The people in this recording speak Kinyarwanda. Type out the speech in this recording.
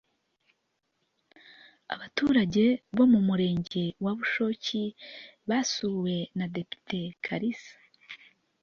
abaturage bo mu murenge wa bushoki basuwe na depite karisa